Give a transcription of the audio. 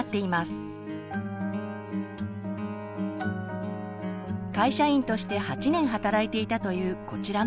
会社員として８年働いていたというこちらのママ。